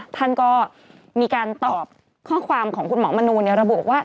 ท่านก็มีการตอบข้อความของคุณหมอมนูนระบุว่า